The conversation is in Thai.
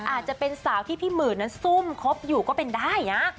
อาจจะเป็นสาวที่พี่หมื่นนั้นซุ่มคบอยู่ก็เป็นได้นะ